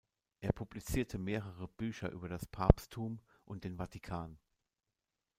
Er publizierte mehrere Bücher über das Papsttum und den Vatikan.